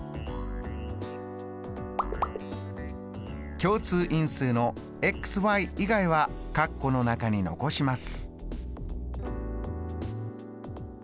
共通因数の以外は括弧の中に残します。